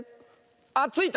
あっついた！